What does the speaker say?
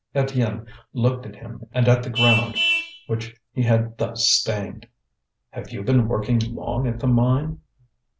Étienne looked at him and at the ground which he had thus stained. "Have you been working long at the mine?"